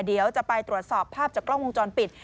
เดี๋ยวจะไปตรวจสอบภาพจากกล้องวงจรปิด